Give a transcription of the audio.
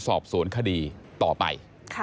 สอบสวนคดีต่อไป